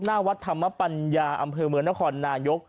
หน้าวัดธรรมปัญญาอำเภอเมืองนครนายก